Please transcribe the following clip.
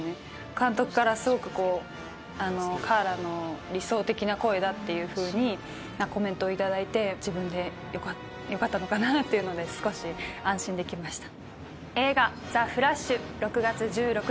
監督からすごくこう、カーラの理想的な声だというふうに、コメントを頂いて、自分でよかったのかなっていうので、少し安心できました。